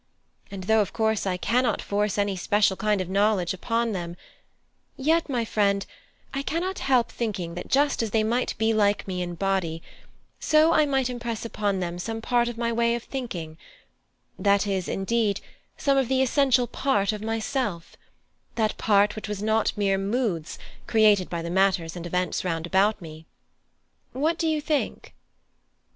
And though of course I cannot force any special kind of knowledge upon them, yet, my Friend, I cannot help thinking that just as they might be like me in body, so I might impress upon them some part of my ways of thinking; that is, indeed, some of the essential part of myself; that part which was not mere moods, created by the matters and events round about me. What do you think?"